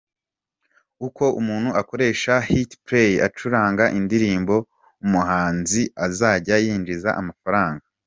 Uko umuntu akoresha HitPlay acuranga indirimbo, umuhanzi azajya yinjiza amafaranga.